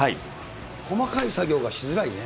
細かい作業がしづらいね。